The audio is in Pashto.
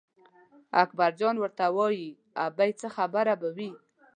اکبرجان ورته وایي ابۍ څه خبره به وي.